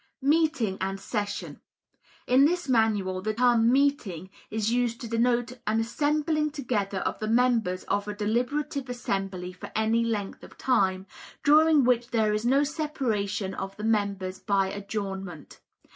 Meeting and Session.—In this Manual the term "meeting" is used to denote an assembling together of the members of a deliberative assembly for any length of time, during which there is no separation of the members by adjournment.